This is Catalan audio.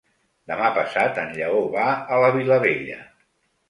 Demà passat en Lleó va a la Vilavella.